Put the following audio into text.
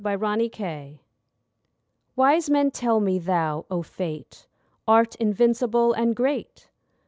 FATE AND I Wise men tell me thou, O Fate, Art invincible and great.